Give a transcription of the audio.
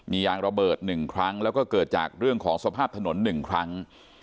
มียางระเบิด๑ครั้งแล้วก็เกิดจากเรื่องของสภาพถนน๑ครั้ง